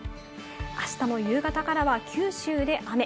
明日も夕方からは九州で雨。